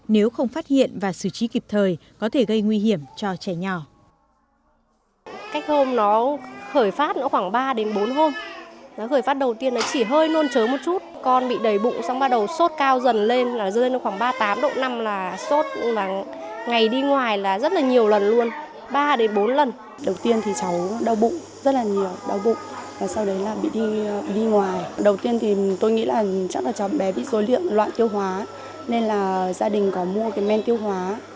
nếu không phát hiện và xử trí kịp thời có thể gây nguy hiểm cho trẻ nhỏ